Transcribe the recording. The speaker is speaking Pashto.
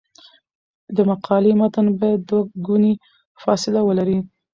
د مقالې متن باید دوه ګونی فاصله ولري.